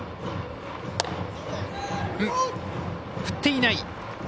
振っていない。